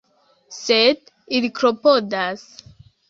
Sed ili klopodas.